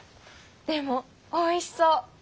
でもおいしそう。